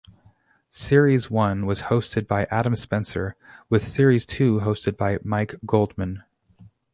Series one was hosted by Adam Spencer, with series two hosted by Mike Goldman.